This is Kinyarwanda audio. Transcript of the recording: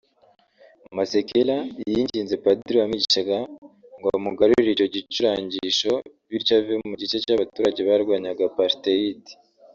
Masekela yinginze padiri wamwigishaga ngo amugurire icyo gicurangisho bityo ave mu gice cy’abaturage barwanyaga apartheid